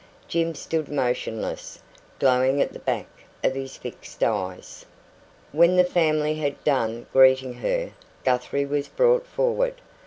Jim stood motionless, glowing at the back of his fixed eyes. When the family had done greeting her, Guthrie was brought forward.